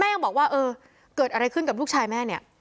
ยังบอกว่าเออเกิดอะไรขึ้นกับลูกชายแม่เนี่ย